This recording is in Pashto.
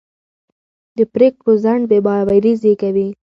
د پرېکړو ځنډ بې باوري زېږوي